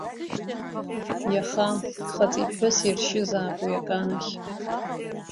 Иаха хаҵеиԥҳәыси ршьызаап уи аган ахь.